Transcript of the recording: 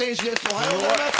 おはようございます。